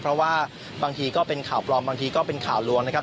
เพราะว่าบางทีก็เป็นข่าวปลอมบางทีก็เป็นข่าวลวงนะครับ